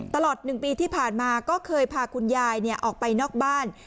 ตลอด๑ปีที่ผ่านมาก็เคยพาคุณยายออกไปนอกบ้าน